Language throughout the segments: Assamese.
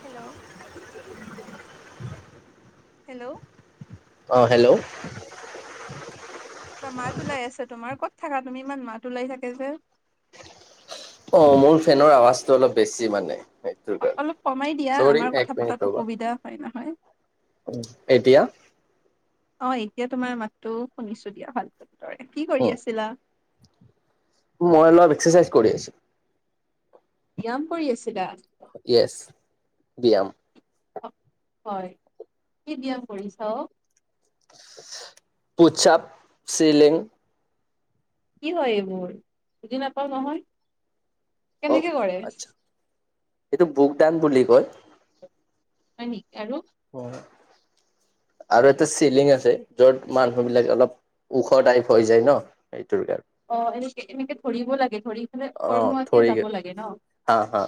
হেল্ল' হেল্ল' অ' হেল্ল' কিবা মাত ওলাই আছে তোমাৰ কত থাকা তুমি ইমান মাত ওলাই থাকে যে অ মোৰ ফেনৰ আৱাজটো অলপ বেছি মানে সেইটো কাৰণে অলপ কমাই দিয়া চৰি আমাৰ কথা পতাত অসুবিধা হয় নহয় উম এতিয়া অ', এতিয়া তোমাৰ মাতটো শুনিছো দিয়া ভালদৰে কি উম কৰি আছিলা মই অলপ এক্সাৰচাইজ কৰি আছো ব্যায়াম কৰি আছিলা য়েচ ব্যায়াম। হয় কি ব্যায়াম কৰিছা অ' পুছাপ চিলিং কি হয় এইবোৰ? বুজি নাপাও নহয়, অ কেনেকে কৰে? আচ্ছা এইটো বুকদান বুলি কয় হয় নেকি আৰু? হয় আৰু এটা চিলিং আছে যত মানুহ বিলাক অলপ ওখ টাইপ হৈ যায় ন কাৰণে অ এনেকে এনেকে ধৰিব লাগে ধৰি পেলাই অ উপৰ মুৱাকে থৰি যাব লাগে ন? হা হা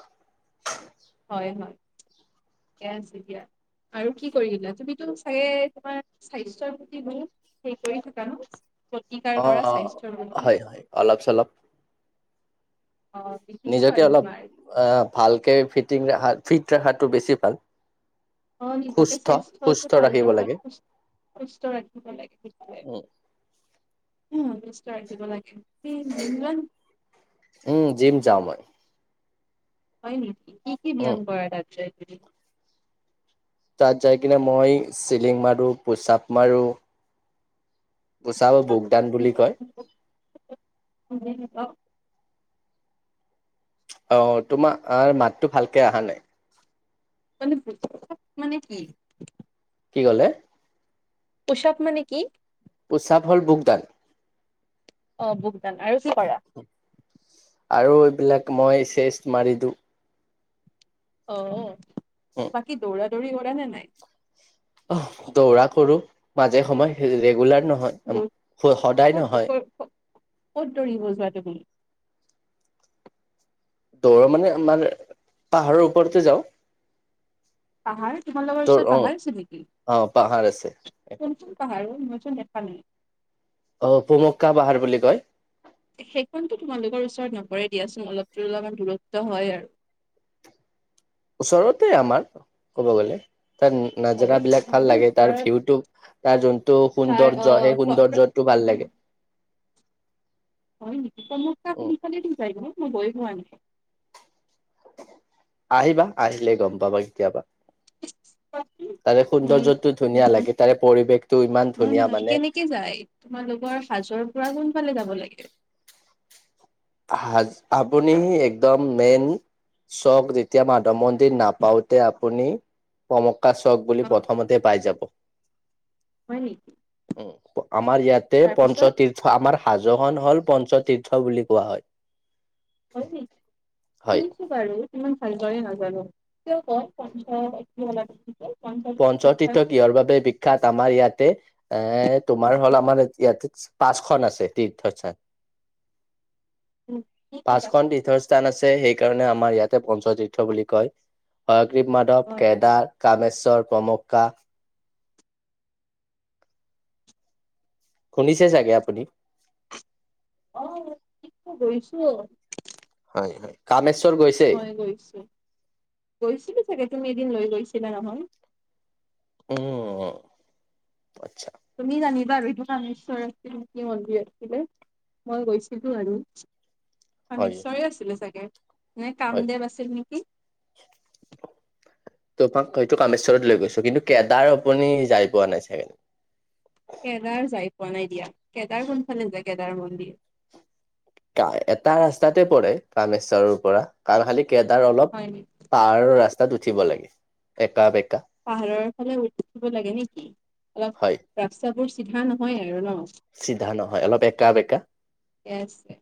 হয় হয় থিকে আছে দিয়া আৰু কি কৰিলা তুমিতো চাগে তোমাৰ স্বাস্থ্যৰ প্ৰতি বহুত সেই কৰি থাক ন অ প্ৰতিকাৰ কৰা অ স্বাস্থ্যৰ প্ৰতি হয় হয় অলপ চলপ অ' দেখিছো নিজকে বাৰু অলপ তোমাৰ। অ' ভালকে ফিটিং ৰাখা ফিট ৰাখাটো বেছি ভাল। অ' নিজকে সুস্থ স্বাস্থ্যটো সুস্থ ভাল ৰাখিব লাগে ৰখাত সুস্থ ৰাখিব লাগে সেইটোয়ে উম উম সুস্থ ৰাখিব লাগে তুমি জিম যোৱা উম যিম যাও মই হয় নেকি, কি-কি উম ব্যায়াম কৰা তাত যাই পেলায়। তাত যাই কিনে মই চিলিং মাৰো পোচাপ মাৰো পুশ-আপ বুকডান বুলি কয়। অ' তোমাৰ মাতটো ভালকে অহা নাই মানে বুকডান মানে কি? কি কলে? পুশ-আপ মানে কি? পুশ-আপ হ'ল বুকডান। অ' বুকদান আৰু কি কৰা আৰু এইবিলাক মই চেষ্ট মাৰি দিওঁ অ', উম বাকি দৌৰা-দৌৰি কৰা নে নাই? অ' দৌৰা কৰোঁ মাজে সময়ে ৰেগুলাৰ দৌ- নহয় সদায় ক'ত- নহয়। ক'ত- ক'ত দৌৰিব জোৱা তুমি দৌৰ মানে আমাৰ পাহাৰৰ ওপৰতে যাওঁ পাহাৰ ত তোমালোকৰ ওচৰত অ পাহাৰ আছে নেকি অ পাহাৰ আছে কোনখন পাহাৰ অ' মই চোন দেখা ফানি অ' পোৱামক্কা পাহাৰ বুলি কয়। সেইখনতো তোমালোকৰ ওচৰত নপৰে দিয়াচোন অলপ অলপমান দূৰত্ব হয় আৰু [inaudible] ওচৰতে আমাৰ ক'ব গ'লে তাৰ নাজৰা অলপ বিলাক ভাল তোমাৰো লাগে তাৰ ওচৰত ভিউটো তাৰ যোনটো তাৰ সৌন্দৰ্য অ' সেই হয় সৌন্দৰ্যটো ভাল লাগে হয় নেকি পুমক্কা কুন উ ফালেদি যায় ন মই গই পোৱা নাই আহিবা আহিলে গম পাবা কেতিয়াবা। [inaudible] [unintelligible] তাৰে সৌন্দৰ্যটো ধুনীয়া লাগে তাৰে পৰিৱেশটো ইমান ধুনীয়া নহয়-নহয় মানে কেনেকে যায় তোমালোকৰ হাজোৰ পৰা কোনফালে যাব লাগে হাজো আপুনি একদম মেইন চক যেতিয়া মাধৱ মন্দিৰ নাপাওঁতে আপুনি পোৱামক্কা চক বুলি অ' প্ৰথমতে পাই যাব। হয় নেকি? উম, আমাৰ ইয়াতে তাৰপিছত পঞ্চতীৰ্থ আমাৰ হাজো খন হ'ল পঞ্চতীৰ্থ বুলি কোৱা হয় হয় নেকি হয় শুনিছোঁ বাৰু। ইমান ভালদৰে নাজানো কিয় ক পঞ্চ পঞ্চ তীৰ্থস্থান পঞ্চতীৰ্থ ইহৰ বাবে বিখ্যাত আমাৰ ইয়াতে, এ তোমাৰ হ'ল আমাৰ ইয়াতে পাঁচখন আছে তীৰ্থস্থান। কি কি পাঁচখন আছে তীৰ্থস্থান আছে সেইকাৰণে আমাৰ ইয়াত পঞ্চতীৰ্থ বুলি কয় হয়গ্ৰীৱ মাধৱ হয় হয় কেদাৰ কামেশ্বৰ পোৱামক্কা সুনিছে চাগে আপুনি। অহ গৈছো। হয়-হয় কামেশ্বৰ গৈছে মই গৈছো গৈছিলো চাগে তুমি এদিন লৈ গৈছিলা নহয়। উম, আচ্ছা। তুমি জানিবা আৰু এইটো কামেশ্বৰ আছিল কি মন্দিৰ আছিলে। মই গৈছিলো আৰু। হয় হয় নিশ্চয় আছিলে চাগে নে হয় কাম দেৱ আছিল নেকি তোমাক হৈইটো কামেশ্বৰত লৈ গৈছো কিন্তু কেদাৰ আপুনি যাই পোৱা নাই চাগে। কেদাৰ যাই পোৱা নাই দিয়া কেদাৰ কোনফালে যোয় কেদাৰ মন্দিৰ। এটা ৰাস্তাতে পৰে কামেশ্বৰৰ পৰা কাৰণ খালি কেদাৰ অলপ হয় নেকি পাৰ ৰাস্তাত উঠিব লাগে একা বে পাহাৰৰ ফালে উ উঠিব লাগে নেকি অলপ হয় ৰাস্তাবোৰ চিধা নহয় আৰু ন। চিধা নহয় অলপ একা বেকা ঠিকে আছে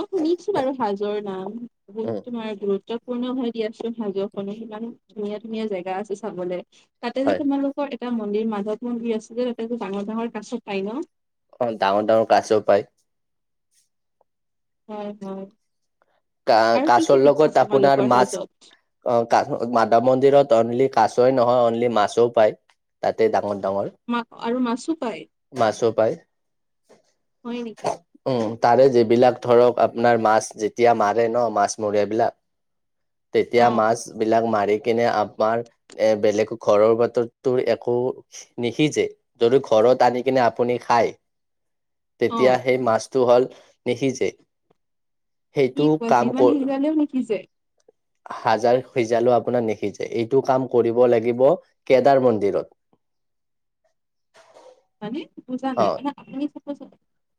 মই শুনিছো বাৰু হাজোৰ নাম উম তোমাৰ গত গুৰুত্বপূৰ্ণ হৈ দি আছো হাজো খনো ইমান ধুনীয়া ধুনীয়া জেগা আছে চাবলে তাতে যে হয় তোমালোকৰ এটা মন্দিৰ মাজত মন্দিৰ আছিল যে তাতে যে ডাঙৰ-ডাঙৰ কাছো পাই ন। অ' ডাঙৰ-ডাঙৰ কছও পায়। উম, হম। কা কাছৰ লগত আপোনাৰ তোমালোকৰ মাছ হাজোত ক মাধৱ মন্দিৰত অনলি কাছ তই নহয় অনলি মাছো পাই তাতে ডাঙৰ বৰ ডাঙৰ মা আৰু মাছো পায় মাছো পায়। হয় নেকি উম তাৰে যিবিলাক ধৰক আপোনাৰ মাছ যেতিয়া মাৰে ন মাছ মৰিবিলাক, তেতিয়া অ মাছ বিলাক মাৰি কিনে আমাৰ এ বেলেগ ঘৰৰ বাতৰতো একো নিসিজে যদি ঘ ঘৰত আনি কিনে আপুনি খায়। [inaudible] অ তেতিয়া সেই মাছটো হ'ল নিসিজে কি সেইটো কোৱা কাম যিমান কৰ সিজালেও নিসিজে হাজাৰ সিজালো আপোনাৰ নিসিজে এইটো কাম কৰিব লাগিব কেদাৰ মন্দিৰত, মানে বুজা অ নাই মানে আপুনি চ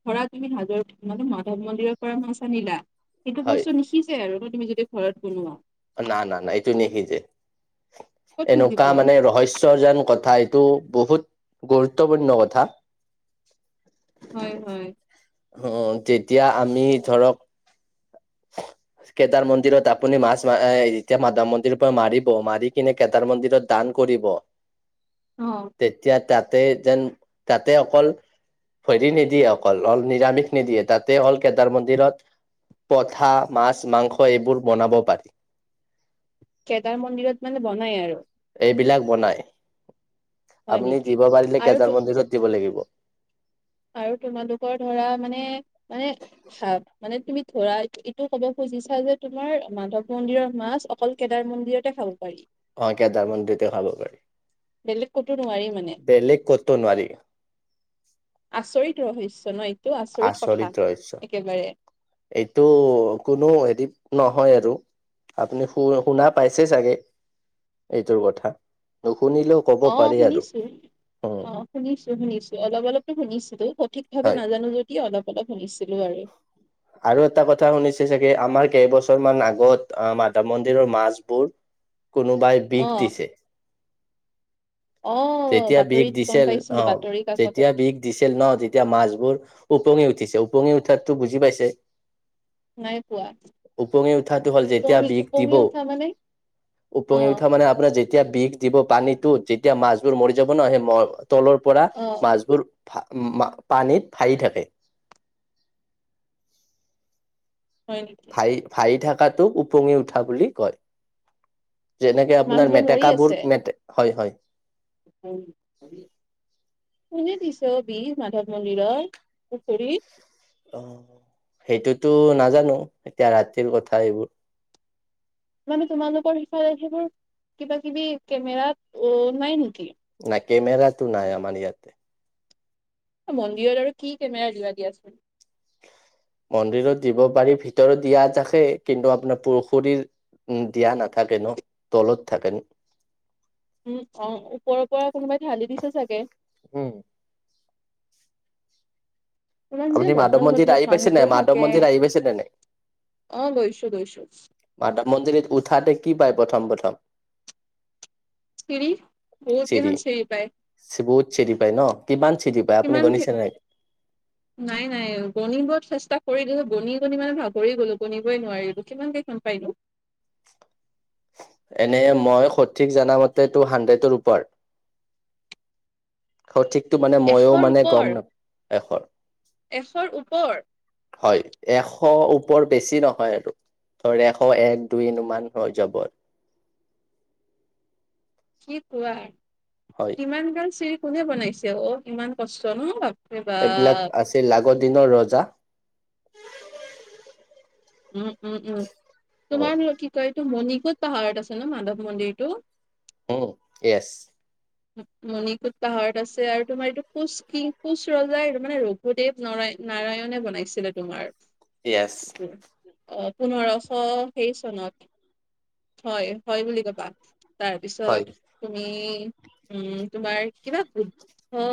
ধৰা তুমি হাজৰ মানে মাধৱ মন্দিৰৰ পৰা মাছ আনিলা সেইটো হয় বস্তুনিসিজে আৰু তুমি যদি ঘৰত বনোৱা না না না এইটো নিসিজে ক'ত এনেকুৱা সিজিব মানে ৰহস্যজন কথা এইটো বহুত গুৰুত্বপূৰ্ণ কথা হয় হয় অ' তেতিয়া আমি ধৰক [inaudible] কেদাৰ মন্দিৰত আপুনি মাছ মা এতিয়া মাধৱ মন্দিৰ পৰা মাৰিব মাৰি কিনে কটাৰ মন্দিৰত দান কৰিব অ তেতিয়া তাতে যেন তাতে অকল, হেৰি নিদিয়ে অকল অল নিৰামিষ নিদিয়ে তাতে অল কেদাৰ মন্দিৰত পঠা মাছ মাংস এইবোৰ বনাব পাৰি। কেদাৰ মন্দিৰত মানে বনাই আৰু এই বিলাক বনাই হয় আপুনি নেকি দিব পাৰিলে আৰু কেদাৰ তো- মন্দিৰত দিব লাগিব অ আৰু তোমালোকৰ ধৰা মানে মানে হা মানে তুমি ধৰা এইটো ক'ব খুজ খুজিছা যে তোমাৰ মাধৱ মন্দিৰৰ মাছ অকল কেদাৰ মন্দিৰতে খাব পাৰি অ কেদাৰ মন্দিতে খাব পাৰি বেলেগ কতো নোৱাৰি মানে বেলেগ ক'তো নোৱাৰি আচৰিত ৰহৈস আচৰিত ৰহস্য একেবাৰে এইটো কোনো হেৰি নহয় আৰু আপুনি শু শুনা পাইছে চাগে এইটোৰ কথা নুশুনিলেও ক'ব অ পাৰি আৰু শুনিছো উম অ শুনিছো শুনিছো অলপ অলপকে শুনিছো। ঠিক ভাৱ হয় নাজানো যদি অলপ অলপ শুনিছোঁ আৰু এটা কথা শুনিছে চাগে আমাৰ কেইবছৰ মান আগত মাধৱ মন্দিৰৰ মাছবোৰ কোনোবাই অ বিষ দিছে অ যেতিয়া বিষ বাতৰিত গম দিছিল পাইছিলো অ' বাতৰি কাকতত যেতিয়া বিষ দিছিল ন তেতিয়া মাছবোৰ ওপঙি উঠিছে ওপঙি উঠাতো বুজি পাইছে নাই পোৱা? ওপঙি উঠাটো হল যেতিয়া উপঙি বিষ দিব উপঙি উঠা মানে অ উপঙি উঠা মানে আপোনাৰ যেতিয়া বিষ দিব পানীত ত যেতিয়া মাছবোৰ মৰি যাব ন সেই তলৰ পৰা অ মাছবোৰ পানীত ভাঁহি থাকে হয় নেকি ভাহি ভাইি থকাটোক ওপঙি উঠা বুলি কয় যেনেকে আপোনাৰ মাছবোৰ মৰি মেটেকাবোৰ আছে মে হয় হয় [unintelligible] কোনে দিছে বিষ মাধৱ মন্দিৰৰ পুখুৰীত অ সেইটোতো নাজানো এতিয়া ৰাতিৰ কথা এইবোৰ মানে তোমালোকৰ সিফালে সেইবোৰ কিবা কিবি কেমেৰা অ নাই নিকি? নাই কেমেৰাটো নাই আমাৰ ইয়াতে মন্দিৰত আৰু কি কেমেৰা দিবা দিয়াচোন মন্দিৰত দিব পাৰি ভিতৰত দিয়া থাকে কিন্তু আপোনাৰ পুখুৰীৰ উম দিয়া নাথাকেনো তলত থাকে। উম অ ওপৰৰ পৰা কোনোবাই ঢালি দিছে চাগে উম ইমান যে আপুনি মাধৱ বদমাছ মন্দিৰ বদমাছ আহি পাইছে নাই মানুহবোৰ মাধৱ থাকে মন্দিৰ আহি পাইছে নে নাই? অ গৈছো গৈছো। মাধৱ মন্দিৰত উঠাতে কি পায় প্ৰথম প্ৰথম পিৰি চিৰি চি বহুত চিৰি পায় ন কিমান চিৰি পায় আপুনি কিমান গনিছেনে নাই নাই নাই গনিব চেষ্টা কৰিলো গণি গণি মানে ভাগৰি গলো গণিবই নোৱাৰিলো কিমানকে গম পাইলো [inaudible] এনে মই সঠিক জানামতেটো হাণ্ড্ৰেডৰ ওপৰ সঠিকতো মানে ময়ো এশৰ মানে ওপৰ গম নাপাওঁ এষৰ এশৰ ওপৰ? এশ ওপৰ বেছি নহয় আৰু ধৰ এশ এক দুই ইমান হৈ যাব কি কোৱাহে হয়। কিমান গাল চিৰি কোনে বনাইছে অ, ইমান কষ্ট ন' বাপ বাপৰে এইবিলাক আছিল আগৰ দিনৰ ৰজা। উম-উম-উম উম তোমাৰ লগ কি কয় এতো মনিক ক'ত পাহাৰত আছে ন মাধৱ মন্দিৰটো অহ, য়েচ। মণিকুট পাহাৰত আছে আৰু তোমাৰ এইটো কোচ কিং কোচ ৰজাই মানে ৰঘুদেৱ নৰা নাৰায়ণে বনাইছিলে তোমাৰ। ইয়েচ অ' পোন্ধৰশ সেইই চনত হয় হয় বুলি ক'বা হয়। তাৰপিছত তুমি উম তোমাৰ কিবা বুদ্ধ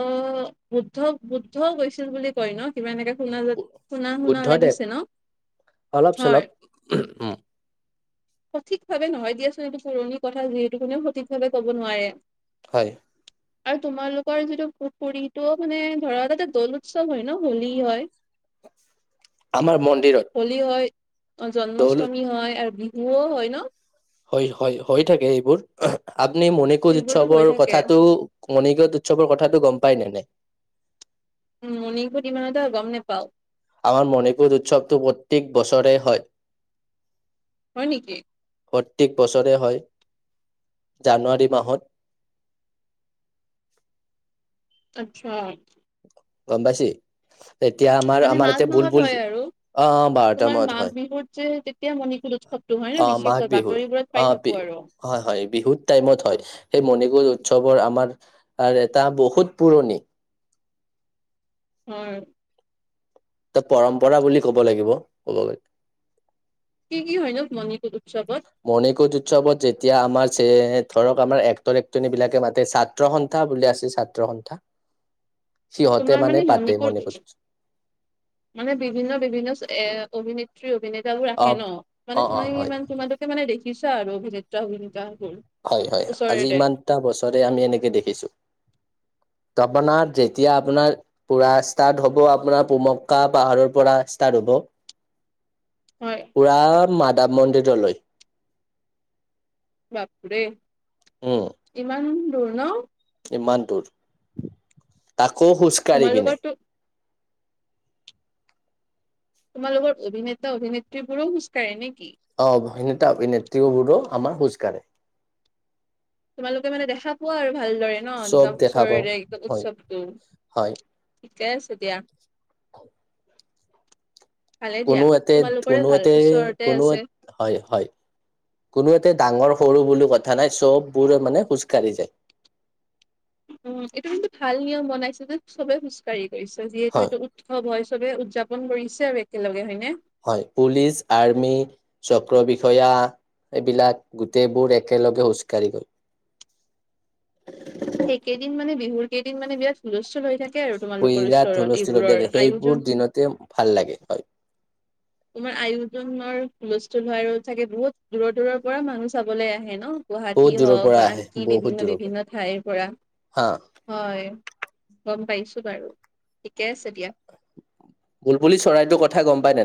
বুদ্ধ বুদ্ধও গৈছিল বুলি কয় ন কিবা এনেকে শুনা শুনা শুনা বুদ্ধদেৱ লাগিছে ন অলপ চলপ উম সঠিকভাৱে নহয় দিয়াচোন এইটো পুৰণি কথা যিহেতু কোনেও সঠিকভাৱে ক'ব নোৱাৰে হয় আৰু তোমালোকৰ যিটো পুৰীটো মানে ধৰা তাতে দৌল উৎসৱ হয় ন হোলী হয় আমাৰ মন্দিৰত [inaudible] হোলী হয় দৌল জন্মাষ্টমী হয় আৰু বিহুও হয় ন হয় হয় হৈ থাকে এইবোৰ আপুনি মণিকোজ এইবোৰতো হৈ উৎসৱৰ থাকে কথাটো মণিকোজ উৎসৱৰ কথাাটো গম পাই নে নাই উম মন আমাৰ মনে কৰি উৎসৱটো প্ৰত্যেক বছৰে হয় হয় নেকি প্ৰত্যেক বছৰে হয় জানুৱাৰী মাহত [unintelligible] আত্ছা গম পাইছি এতিয়া আমাৰ মানে আমাৰ মাঘ এতিয়া ভুল মাহত ভুল হয় আৰু তোমাৰ মাঘ বিহুত যে তেতিয়া মণিকুল উৎসৱতটো হয় অ ন মাঘ বিশেষকৈ বিহু বাতৰিবোৰত অ পাই থাকো বিহু আৰু হয় হয় বিহুত টাইমত হয় সেই মণি জ উৎসৱৰ আমাৰ এটা বহুত পুৰণি [unintelligible] এ পৰম্পৰা বুলি ক'ব লাগিব ক'ব গলে কি কি হয় নো মণিকুট উৎস মণিকুট উৎসৱত যেতিয়া আমাৰ ধৰক আমাৰ এক্টৰ এক্টনি বিলাকে মাতে ছাত্ৰ সন্থা বুলি আছে ছাত্ৰ সন্থা [inaudible] সিহঁতে তোমাৰ মানে পাতে মণিকুট মণিকোট মানে বিভিন্ন বিভিন্ন এ অভিনেত্ৰী অভিনেতাবোৰ অ আহে ন অ মানে অ তুমি হয় ইমান তোমালোকে মানে দেখিছা আৰু অভিনেতা অভিনেতা হয় হয় আজি ইমানটা বছৰে আমি এনেকে দেখিছো তপনাত যেতিয়া আপোনাৰ পুৰা ষ্টাৰ্ট হ'ব আপোনাৰ পুমক্কা পাহাৰৰ পৰা ষ্টাৰ্ট হ'ব [unintelligible] হয় পুৰা মাধৱ মন্দিৰলৈ বাপৰে উম ইমান দূৰ ন ইমান দূৰ তাকো খোজকাঢ়ি কিনে তোমালোকৰতো তোমালোকৰ অভিনেতা অভিনেত্ৰীবোৰো খোজ কঢ়ে নে অভিনেতা অভিনেত্ৰীবোৰো আমাৰ খোজকাঢ়ে তোমালোকে মানে দেখা হ আৰু ভালদৰে ন চব একদম দেখা পাওঁ ওচৰৰে একদম হয় উৎসৱটো হয় ঠিকে আছে দিয়া ভালে দিয়া কোনো এতে তোমালোকৰে কোনো ভাল এতে ওচৰতে কোনো আছে হয় হয় কোনো এতে ডাঙৰ সৰু বুলি কথা নাই চববোৰে মানে খোজকাঢ়ি যায় উম এইটো কিন্তু ভাল নিয়ম বনাইছে যে চবে খোজকাঢ়ি কৰি যিহেতু হয় এইটো উৎসৱ হয় চবে উদযাপন কৰিছে আৰু একেলগে হয় নে হয় পুলিচ আৰ্মি চক্ৰ বিষয়া এইবিলাক গোটেইবোৰ একেলগে খোজকাঢ়ি গল সেইকেইদিন মানে বিহুৰ কেইদিন মানে বিৰাট হুলস্থুল হৈ থাকে তাকে আৰু তোমালোকৰ বিৰাট ওচৰত হুলস্থুল হৈ এইবোৰৰ থাকে, সেইবোৰ আয়োজন। দিনতে ভাল লাগে হয় তোমাৰ আয়োজনৰ হুলস্থুল হোৱাৰ আৰু চাগ বহুত দূৰৰ দুৰৰ পৰা মানুহ চাবলৈ আহে ন। বহুত গুৱাহাটী দূৰৰ হওক পৰা বা আহে আনকি বহুত দূৰৰ পৰা বিভিন্ন-বিভিন্ন ঠাইৰ পৰা হা হয়। গম পাইছো বাৰু ঠিকে আছে দিয়া। বুলপুলি চৰাইটোৰ কথা গম পাই নে?